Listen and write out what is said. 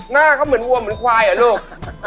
หน้าเขาเหมือนวัวเหมือนควายเหรอลูก